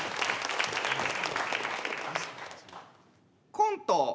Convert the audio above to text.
コント